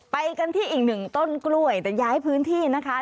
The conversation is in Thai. ไปกันที่อีกหนึ่งต้นกล้วยแต่ย้ายพื้นที่นะคะ